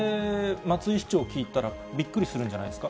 松井市長聞いたらびっくりするんじゃないですか？